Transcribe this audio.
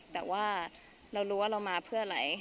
แต่ว่าเรารู้ว่าเรามาเพื่ออะไร